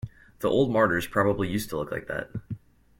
The old martyrs probably used to look like that.